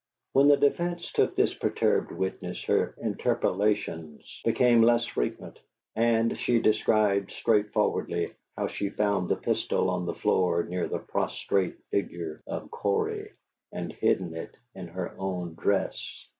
When the defence took this perturbed witness, her interpolations became less frequent, and she described straightforwardly how she had found the pistol on the floor near the prostrate figure of Cory, and hidden it in her own dress.